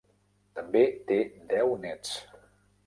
També té deu néts.